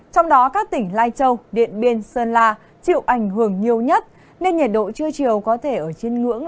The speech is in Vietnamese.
trong đó các tỉnh lai châu điện biên sơn la chịu ảnh hưởng nhiều nhất nên nhiệt độ trưa chiều có thể ở trên ngưỡng ba mươi